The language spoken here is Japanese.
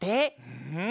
うん！